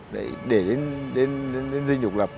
đấy để đến dân chủ